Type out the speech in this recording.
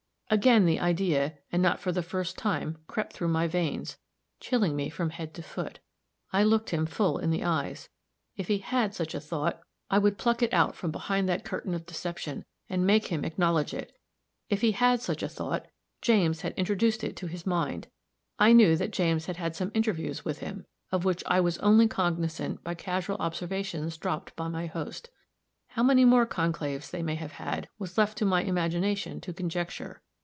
Again the idea, and not for the first time, crept through my veins, chilling me from head to foot. I looked him full in the eyes. If he had such a thought, I would pluck it out from behind that curtain of deception, and make him acknowledge it. If he had such a thought, James had introduced it to his mind. I knew that James had had some interviews with him, of which I was only cognizant by casual observations dropped by my host. How many more conclaves they may have held, was left to my imagination to conjecture.